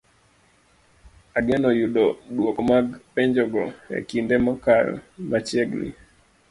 Ageno yudo dwoko mag penjogo e kinde mokayo machiegni.